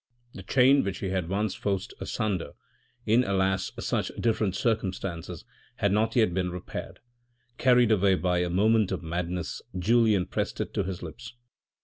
The chain which he had once forced asunder — in, alas, such different circumstances — had not yet been repaired. Carried away by a moment of madness, Julien pressed it to his lips.